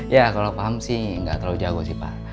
ya kalau paham sih nggak terlalu jago sih pak